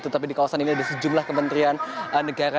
tetapi di kawasan ini ada sejumlah kementerian negara